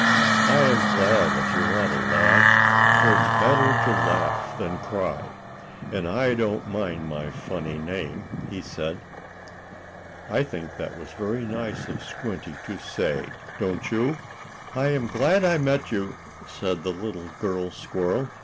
"I am glad if you want to laugh, for it is better to laugh than cry. And I don't mind my funny name," he said. I think that was very nice of Squinty to say, don't you? "I am glad I met you," said the little girl squirrel.